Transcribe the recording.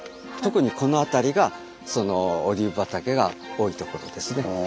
特にこの辺りがオリーブ畑が多いところですね。